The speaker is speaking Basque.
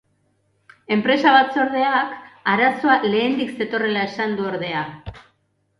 Enpresa batzordeak arazo lehendik zetorrela esan du, ordea.